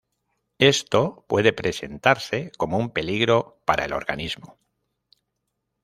Esto puede presentarse como un peligro para el organismo.